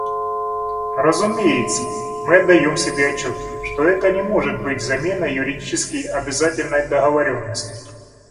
Разумеется, мы отдаем себе отчет, что это не может быть заменой юридически обязательной договоренности.